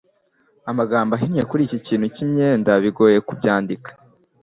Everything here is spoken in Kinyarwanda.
amagambo ahinnye kuri iki kintu cyimyenda bigoye ku byandika